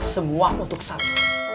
semua untuk satu